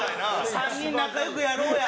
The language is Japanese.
３人仲良くやろうや。